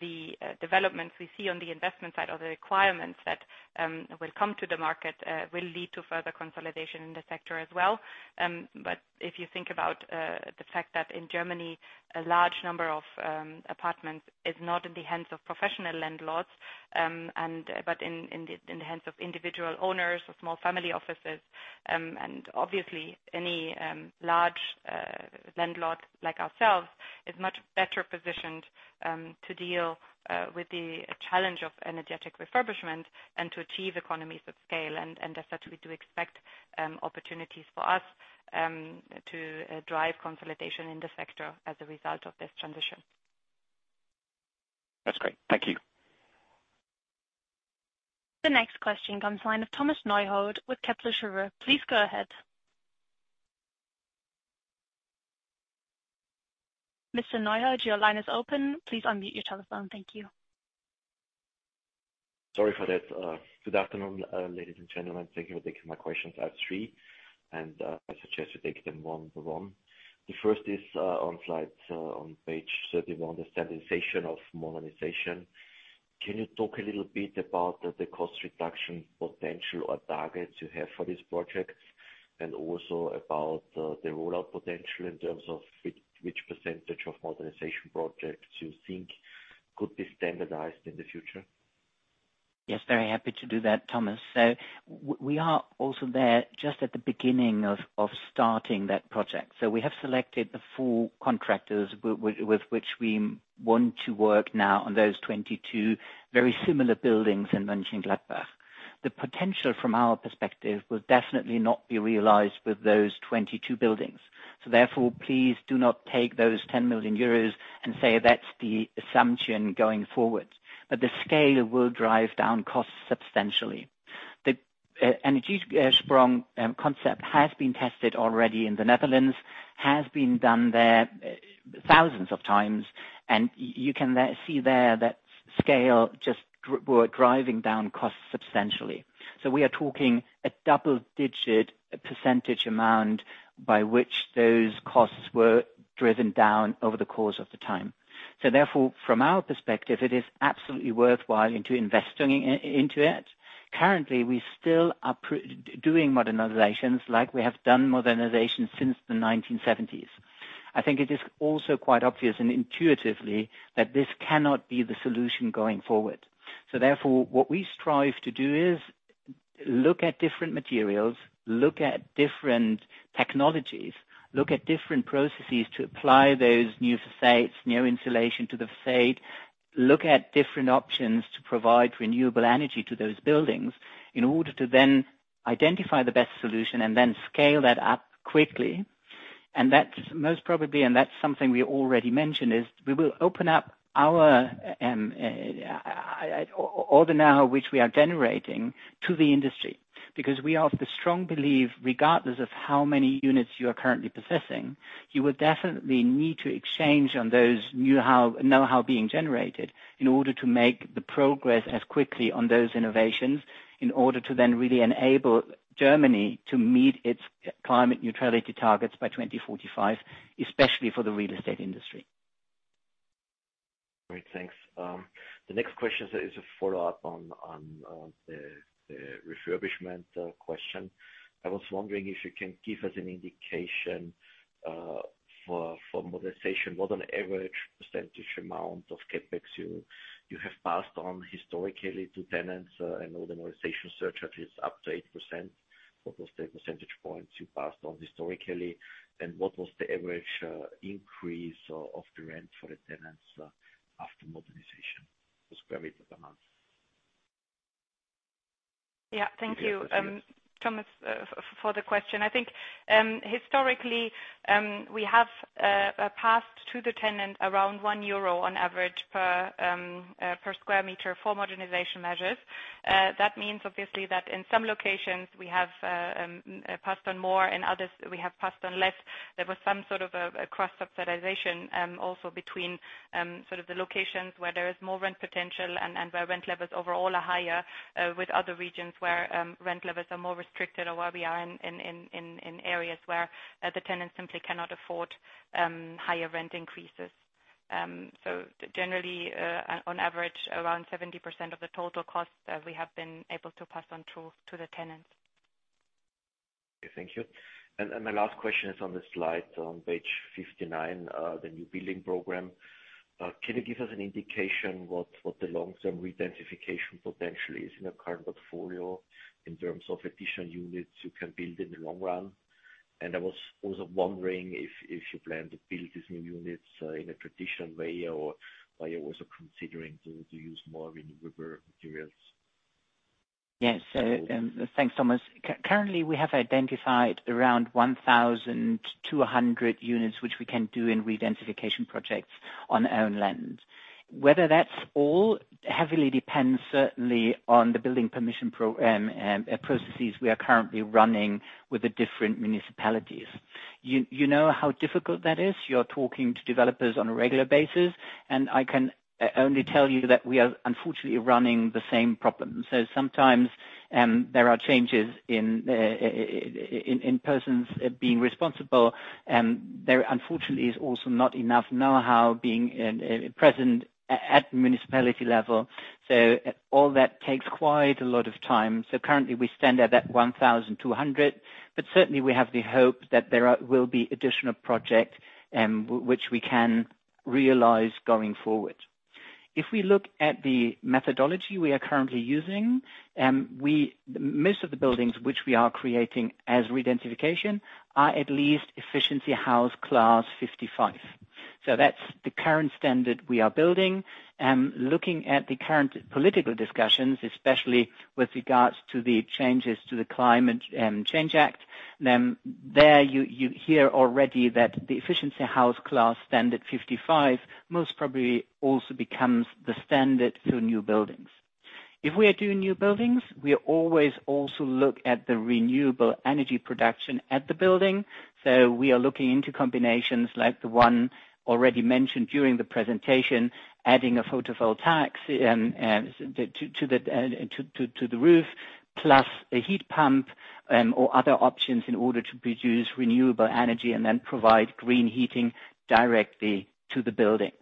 the developments we see on the investment side of the requirements that will come to the market will lead to further consolidation in the sector as well. If you think about the fact that in Germany a large number of apartments is not in the hands of professional landlords, but in the hands of individual owners of small family offices. Obviously any large landlord like ourselves is much better positioned to deal with the challenge of energetic refurbishment and to achieve economies of scale. Thus, that we do expect opportunities for us to drive consolidation in the sector as a result of this transition. That's great. Thank you. The next question comes from Thomas Neuhold with Kepler Cheuvreux. Please go ahead. Mr. Neuhold, your line is open. Please unmute your telephone. Thank you. Sorry for that. Good afternoon, ladies and gentlemen. Thank you. I have three questions, and I suggest you take them one by one. The first is on page 31, the standardization of modernization. Can you talk a little bit about the cost reduction potential or targets you have for these projects, and also about the rollout potential in terms of which % of modernization projects you think could be standardized in the future? Yes, very happy to do that, Thomas. We are also there just at the beginning of starting that project. We have selected the four contractors with which we want to work now on those 22 very similar buildings in Mönchengladbach. The potential from our perspective will definitely not be realized with those 22 buildings. Therefore, please do not take those 10 million euros and say that's the assumption going forward. The scale will drive down costs substantially. The EnergieSprong concept has been tested already in the Netherlands, has been done there thousands of times, and you can see there that scale just were driving down costs substantially. We are talking a double-digit % amount by which those costs were driven down over the course of the time. Therefore, from our perspective, it is absolutely worthwhile into investing into it. Currently, we still are doing modernizations like we have done modernizations since the 1970s. I think it is also quite obvious and intuitively that this cannot be the solution going forward. Therefore, what we strive to do is look at different materials, look at different technologies, look at different processes to apply those new facades, new insulation to the facade, look at different options to provide renewable energy to those buildings in order to then identify the best solution and then scale that up quickly. That's most probably, and that's something we already mentioned, is we will open up our know-how which we are generating to the industry, because we are of the strong belief, regardless of how many units you are currently possessing, you will definitely need to exchange on those know-how being generated in order to make the progress as quickly on those innovations, in order to then really enable Germany to meet its climate neutrality targets by 2045, especially for the real estate industry. Great. Thanks. The next question is a follow-up on the refurbishment question. I was wondering if you can give us an indication for modernization, what an average percentage amount of CapEx you have passed on historically to tenants. I know the modernization surcharge is up to 8%. What was the percentage points you passed on historically, and what was the average increase of the rent for the tenants after modernization per square meter per month? Yeah. Thank you, Thomas, for the question. I think historically, we have passed to the tenant around 1 euro on average per sq m for modernization measures. That means obviously that in some locations we have passed on more, in others, we have passed on less. There was some sort of a cross-subsidization also between the locations where there is more rent potential and where rent levels overall are higher with other regions where rent levels are more restricted or where we are in areas where the tenants simply cannot afford higher rent increases. Generally, on average around 70% of the total cost we have been able to pass on to the tenants. Thank you. My last question is on the slide on page 59, the new building program. Can you give us an indication what the long-term redensification potential is in the current portfolio in terms of additional units you can build in the long run? I was also wondering if you plan to build these new units in a traditional way, or were you also considering to use more renewable materials? Thanks, Thomas. Currently, we have identified around 1,200 units which we can do in redensification projects on our land. Whether that is all heavily depends certainly on the building permission processes we are currently running with the different municipalities. You know how difficult that is. You are talking to developers on a regular basis, I can only tell you that we are unfortunately running the same problem. Sometimes, there are changes in persons being responsible. There unfortunately is also not enough know-how being present at the municipality level. All that takes quite a lot of time. Currently, we stand at 1,200, certainly we have the hope that there will be additional projects which we can realize going forward. If we look at the methodology we are currently using, most of the buildings which we are creating as redensification are at least Effizienzhaus class 55. That's the current standard we are building. Looking at the current political discussions, especially with regards to the changes to the Climate Change Act, you hear already that the efficiency house class standard 55 most probably also becomes the standard for new buildings. If we are doing new buildings, we always also look at the renewable energy production at the building. We are looking into combinations like the one already mentioned during the presentation, adding a photovoltaic to the roof, plus a heat pump or other options in order to produce renewable energy and then provide green heating directly to the building.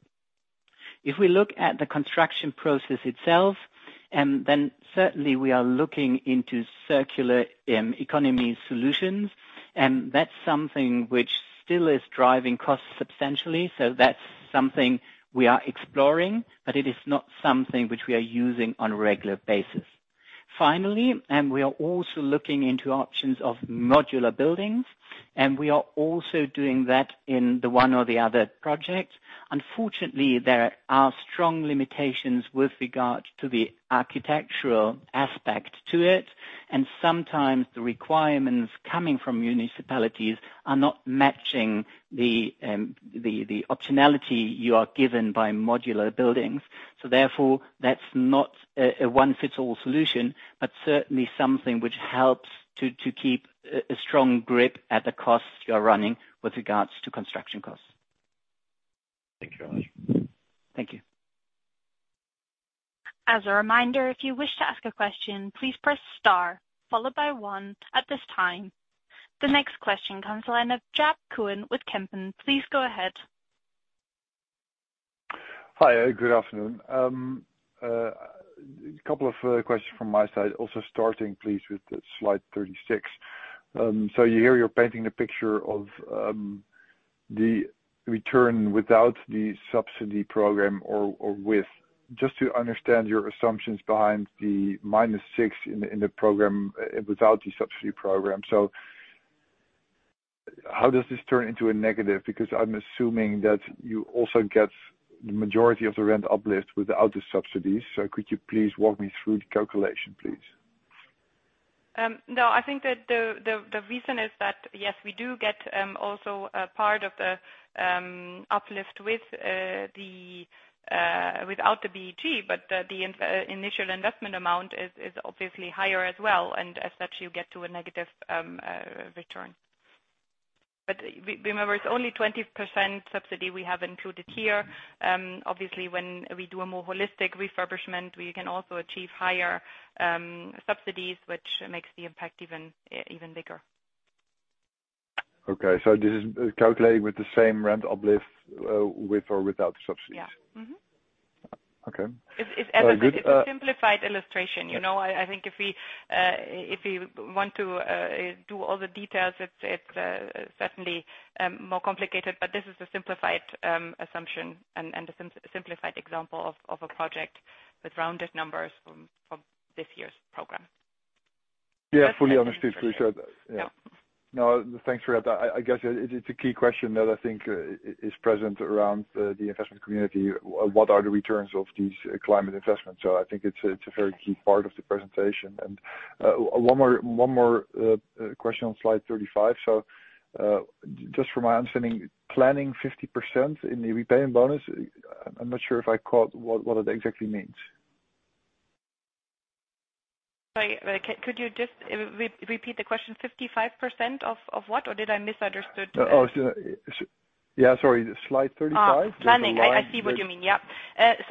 If we look at the construction process itself, certainly we are looking into circular economy solutions. That's something which still is driving costs substantially. That's something we are exploring, but it is not something which we are using on a regular basis. Finally, we are also looking into options of modular buildings, and we are also doing that in the one or the other project. Unfortunately, there are strong limitations with regard to the architectural aspect to it, and sometimes the requirements coming from municipalities are not matching the optionality you are given by modular buildings. Therefore, that's not a one-size-fits-all solution, but certainly something which helps to keep a strong grip at the costs you are running with regards to construction costs. Thank you very much. Thank you. The next question comes from the line of Jaap Kuin with Kempen. Please go ahead. Hi, good afternoon. A couple of further questions from my side, also starting please with the slide 36. Here, you're painting a picture of the return without the subsidy program or with. Just to understand your assumptions behind the -6 in the program without the subsidy program. How does this turn into a negative? Because I'm assuming that you also get the majority of the rent uplift without the subsidies. Could you please walk me through the calculation, please? No, I think that the reason is that, yes, we do get also a part of the uplift without the BEG, but the initial investment amount is obviously higher as well, and as such, you get to a negative return. Remember, it's only 20% subsidy we have included here. Obviously, when we do a more holistic refurbishment, we can also achieve higher subsidies, which makes the impact even bigger. Okay, this is calculated with the same rent uplift with or without subsidies? Yeah. Mm-hmm. Okay. Very good. It's a simplified illustration. I think if you want to do all the details, it's certainly more complicated, but this is a simplified assumption and a simplified example of a project with rounded numbers from this year's program. Yeah, fully understood. Yeah. No, thanks for that. I guess it's a key question that I think is present around the investment community. What are the returns of these climate investments? I think it's a very key part of the presentation. One more question on slide 35. Just from my understanding, planning 50% in a repaying bonus, I'm not sure if I caught what that exactly means. Could you just repeat the question, 55% of what? Or did I misunderstood? Yeah, sorry, slide 35. Planning. I see what you mean, yeah.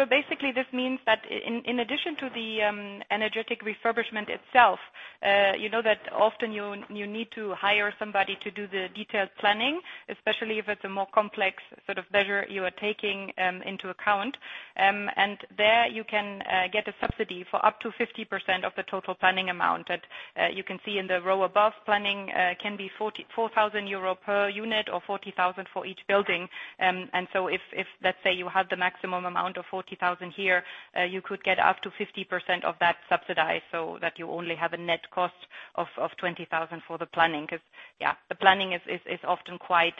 Basically, this means that in addition to the energetic refurbishment itself, you know that often you need to hire somebody to do the detailed planning, especially with the more complex measures you are taking into account. There you can get a subsidy for up to 50% of the total planning amount that you can see in the row above. Planning can be 44,000 euro per unit or 40,000 for each building. If, let's say, you had the maximum amount of 40,000 here, you could get up to 50% of that subsidized, so that you only have a net cost of 20,000 for the planning, because, yeah, the planning is often quite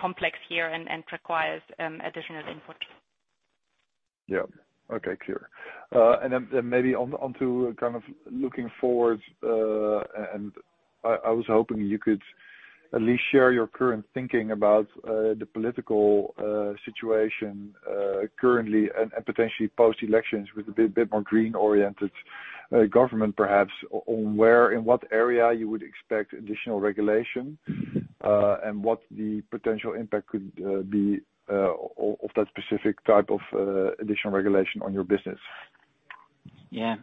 complex here and requires additional Yeah. Okay, clear. Maybe onto looking forward, and I was hoping you could at least share your current thinking about the political situation currently and potentially post-elections with a bit more green-oriented government perhaps, on where, in what area you would expect additional regulation and what the potential impact could be of that specific type of additional regulation on your business? Yeah.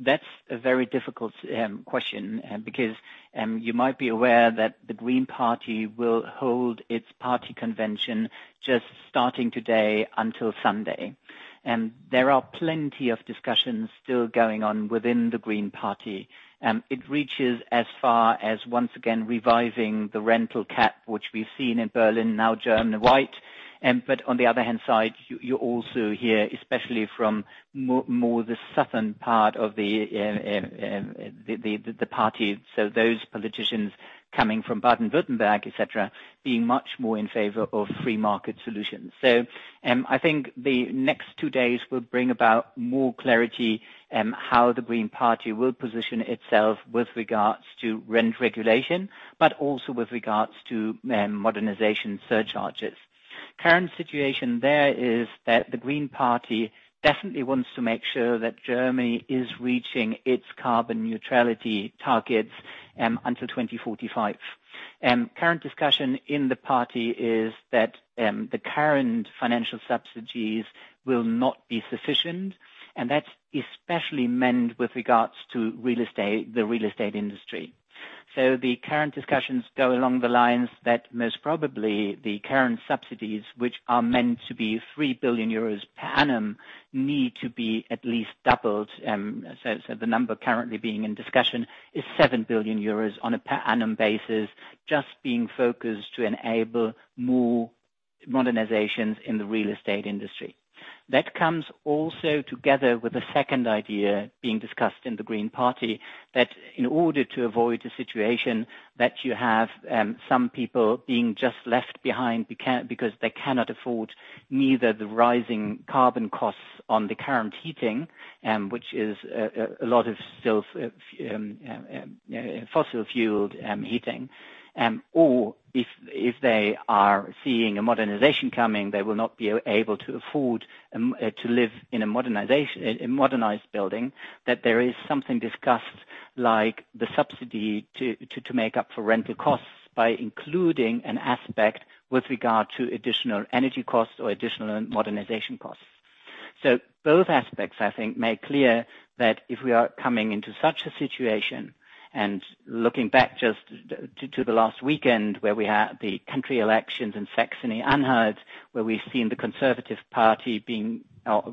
That's a very difficult question because you might be aware that the Green Party will hold its party convention, starting today until Sunday. There are plenty of discussions still going on within the Green Party. It reaches as far as, once again, revising the rental cap, which we've seen in Berlin, now joined the fight. On the other hand side, you also hear, especially from more the southern part of the party, those politicians coming from Baden-Württemberg, et cetera, being much more in favor of free market solutions. I think the next two days will bring about more clarity how the Green Party will position itself with regards to rent regulation, but also with regards to modernization surcharges. Current situation there is that the Green Party definitely wants to make sure that Germany is reaching its carbon neutrality targets until 2045. Current discussion in the party is that the current financial subsidies will not be sufficient, and that's especially meant with regards to the real estate industry. The current discussions go along the lines that most probably the current subsidies, which are meant to be 3 billion euros per annum, need to be at least doubled. The number currently being in discussion is 7 billion euros on a per annum basis, just being focused to enable more modernizations in the real estate industry. That comes also together with a second idea being discussed in the Green Party, that in order to avoid a situation that you have some people being just left behind because they cannot afford neither the rising carbon costs on the current heating, which is a lot of still fossil fueled heating, or if they are seeing a modernization coming, they will not be able to afford to live in a modernized building, that there is something discussed like the subsidy to make up for rental costs by including an aspect with regard to additional energy costs or additional modernization costs. Those aspects, I think, make clear that if we are coming into such a situation, and looking back just to the last weekend where we had the country elections in Saxony-Anhalt, where we've seen the Conservative Party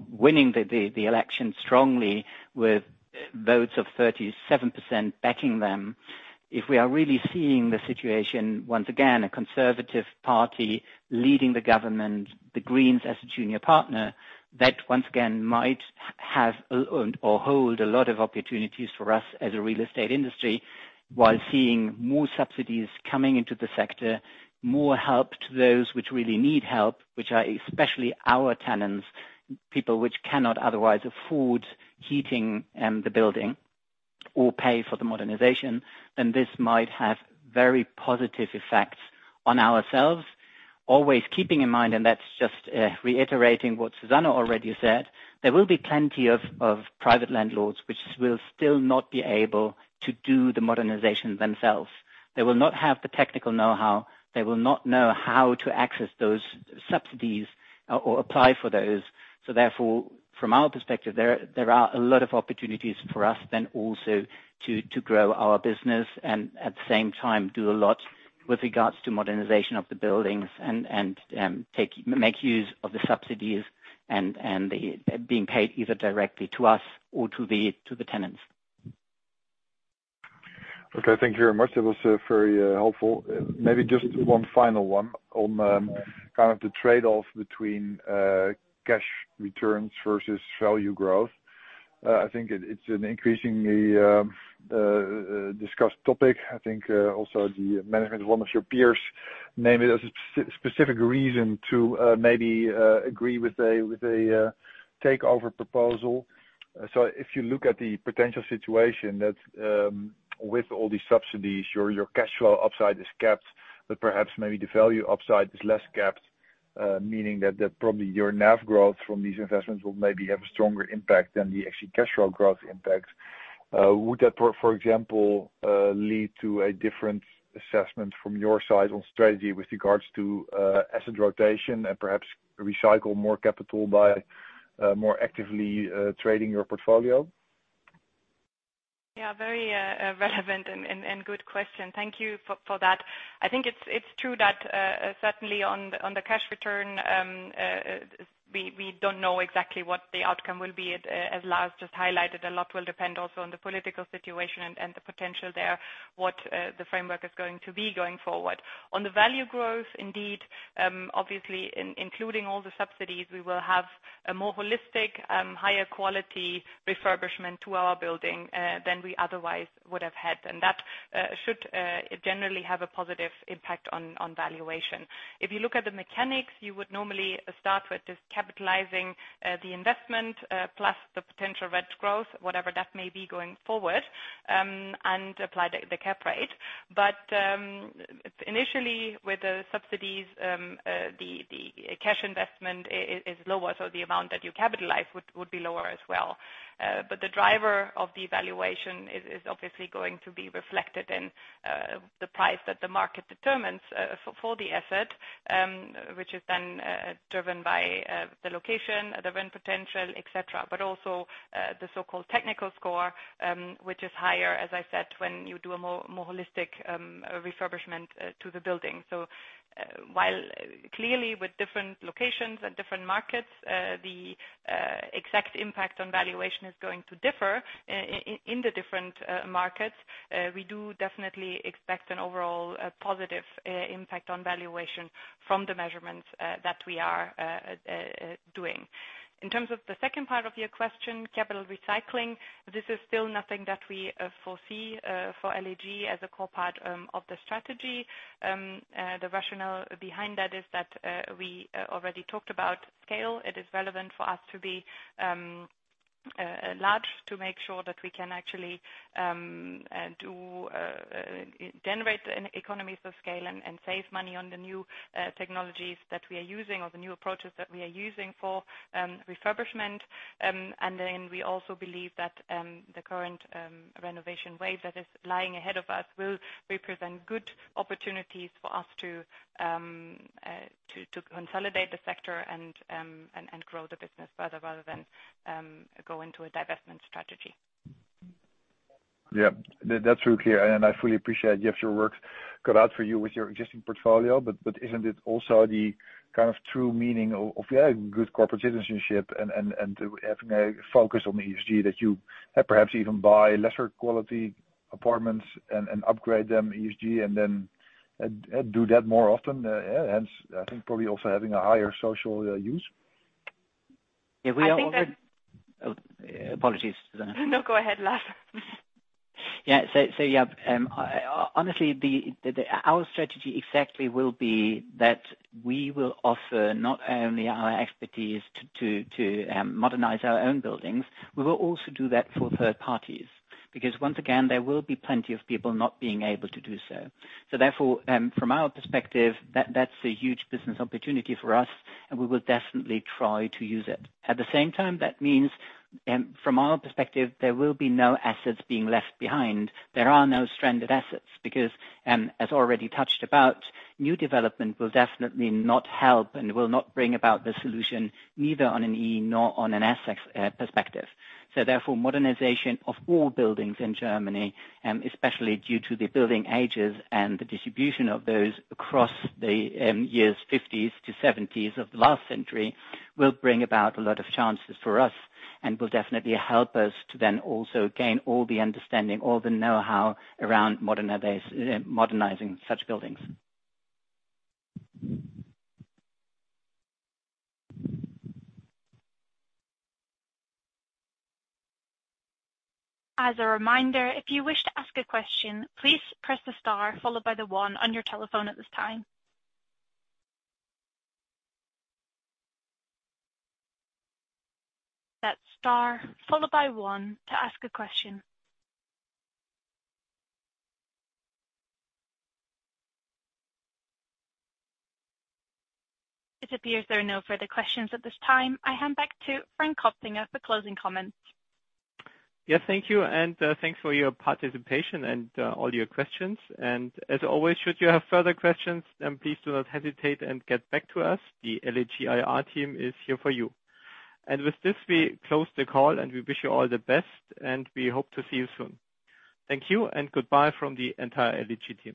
winning the election strongly with votes of 37% backing them. If we are really seeing the situation, once again, a Conservative Party leading the government, the Greens as a junior partner, that once again might have or hold a lot of opportunities for us as a real estate industry while seeing more subsidies coming into the sector, more help to those which really need help, which are especially our tenants, people which cannot otherwise afford heating the building or pay for the modernization, then this might have very positive effects on ourselves. Always keeping in mind, and that's just reiterating what Susanne already said, there will be plenty of private landlords which will still not be able to do the modernizations themselves. They will not have the technical know-how. They will not know how to access those subsidies or apply for those. Therefore, from our perspective, there are a lot of opportunities for us then also to grow our business and at the same time do a lot with regards to modernization of the buildings and make use of the subsidies and being paid either directly to us or to the tenants. Okay, thank you very much. That was very helpful. Maybe just one final one on the trade-off between cash returns versus value growth. I think it's an increasingly discussed topic. I think also the management of one of your peers named it as a specific reason to maybe agree with a takeover proposal. If you look at the potential situation that with all these subsidies, your cash flow upside is capped, but perhaps maybe the value upside is less capped, meaning that probably your NAV growth from these investments will maybe have a stronger impact than the actual cash flow growth impact. Would that, for example, lead to a different assessment from your side on strategy with regards to asset rotation and perhaps recycle more capital by more actively trading your portfolio? Yeah, very relevant and good question. Thank you for that. I think it's true that certainly on the cash return, we don't know exactly what the outcome will be. As Lars just highlighted, a lot will depend also on the political situation and the potential there, what the framework is going to be going forward. On the value growth, indeed, obviously, including all the subsidies, we will have a more holistic, higher quality refurbishment to our building than we otherwise would have had, and that should generally have a positive impact on valuation. If you look at the mechanics, you will normally start with just capitalizing the investment plus the potential rent growth, whatever that may be going forward, and apply the cap rate. Initially, with the subsidies, the cash investment is lower, so the amount that you capitalize would be lower as well. The driver of the valuation is obviously going to be reflected in the price that the market determines for the asset, which is then driven by the location, the rent potential, et cetera, but also the so-called technical score, which is higher, as I said, when you do a more holistic refurbishment to the building. While clearly with different locations and different markets, the exact impact on valuation is going to differ in the different markets, we do definitely expect an overall positive impact on valuation from the measurements that we are doing. In terms of the second part of your question, capital recycling, this is still nothing that we foresee for LEG as a core part of the strategy. The rationale behind that is that we already talked about scale. It is relevant for us to be large to make sure that we can actually generate economies of scale and save money on the new technologies that we are using or the new approaches that we are using for refurbishment. We also believe that the current renovation wave that is lying ahead of us will represent good opportunities for us to consolidate the sector and grow the business rather than go into a divestment strategy. Yeah. That's okay, and I fully appreciate you have your work cut out for you with your existing portfolio. Isn't it also the kind of true meaning of good corporate citizenship and having a focus on ESG that you perhaps even buy lesser quality apartments and upgrade them ESG, and then do that more often, hence, I think probably also having a higher social use? I think that- Apologies, Susanne. No, go ahead, Lars. Honestly, our strategy exactly will be that we will offer not only our expertise to modernize our own buildings, but we will also do that for third parties, because once again, there will be plenty of people not being able to do so. Therefore, from our perspective, that's a huge business opportunity for us, and we will definitely try to use it. At the same time, that means from our perspective, there will be no assets being left behind. There are no stranded assets because, as already touched about, new development will definitely not help and will not bring about the solution either on an E or on an asset perspective. Therefore, modernization of all buildings in Germany, especially due to the building ages and the distribution of those across the years 1950s to 1970s of the last century, will bring about a lot of chances for us and will definitely help us to then also gain all the understanding, all the know-how around modernizing such buildings. As a reminder, if you wish to ask a question, please press the star followed by the one on your telephone at this time. That's a star followed by one to ask a question. It appears there are no further questions at this time. I hand back to Frank Kopfinger for closing comments. Thank you, and thanks for your participation and all your questions. As always, should you have further questions, then please do not hesitate and get back to us. The LEG IR team is here for you. With this, we close the call, and we wish you all the best, and we hope to see you soon. Thank you and goodbye from the entire LEG team.